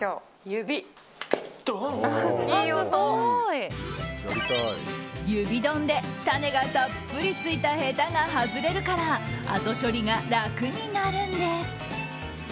指ドンで種がたっぷりついたへたが外れるから後処理が楽になるんです。